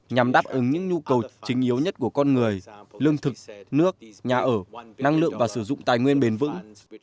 nhằm đáp ứng những nhu cầu chính yếu nhất của con người lương thực nước nhà ở năng lượng và sử dụng tài nguyên bền vững